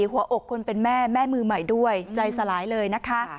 หัวอกคนเป็นแม่แม่มือใหม่ด้วยใจสลายเลยนะคะ